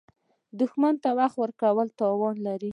دښمن ته وخت ورکول تاوان لري